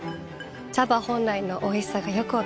茶葉本来のおいしさがよく分かります。